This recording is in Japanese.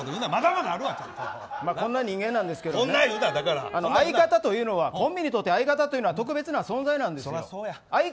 こんな人間なんですけどコンビにとって相方というのは特別な存在なんです。